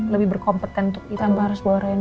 lebih berkompeten untuk itu